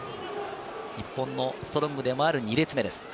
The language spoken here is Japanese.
日本のストロングでもある２列目です。